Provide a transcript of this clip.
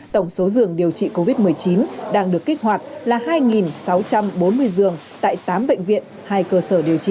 tổng số giường điều trị covid một mươi chín đang được kích hoạt là hai sáu trăm bốn mươi giường tại tám bệnh viện hai cơ sở điều trị